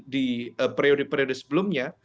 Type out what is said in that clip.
di periode periode sebelumnya